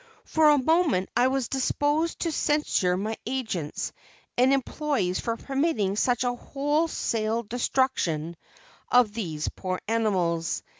For a moment I was disposed to censure my agents and employees for permitting such a wholesale destruction of these poor animals.